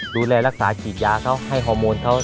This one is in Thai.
ดูแลรักษาฉีดยาเขาให้ฮอร์โมนเขา